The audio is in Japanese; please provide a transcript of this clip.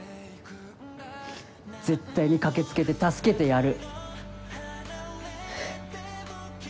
絶対に駆け付けて助けてやる。